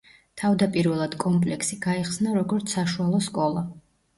თავდაპირველად კომპლექსი გაიხსნა როგორც საშუალო სკოლა.